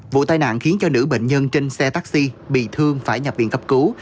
vụ tai nạn khiến cho nữ bệnh nhân trên xe taxi bị thương phải nhập viện cấp cứu